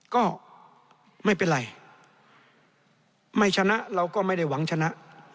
ก็ไม่เป็นไรไม่ชนะเราก็ไม่ได้หวังชนะ